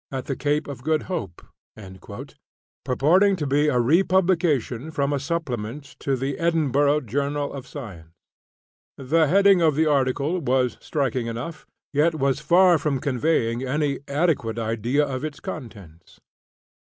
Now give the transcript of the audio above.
at the Cape of Good Hope," purporting to be a republication from a Supplement to the Edinburgh Journal of Science. The heading of the article was striking enough, yet was far from conveying any adequate idea of its contents.